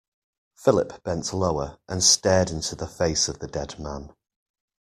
Philip bent lower, and stared into the face of the dead man.